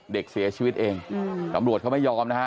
เด็กเสียชีวิตเองตำรวจเขาไม่ยอมนะฮะ